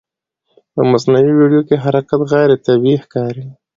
په مصنوعي ویډیو کې حرکت غیر طبیعي ښکاري.